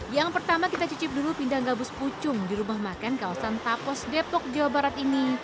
yang pertama kita cicip dulu pindang gabus pucung di rumah makan kawasan tapos depok jawa barat ini